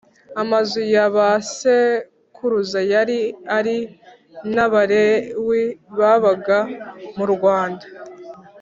amazu ya ba sekuruza yari ari n Abalewi babaga mu rwanda